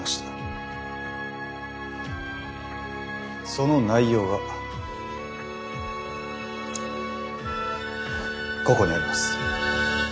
その内容がここにあります。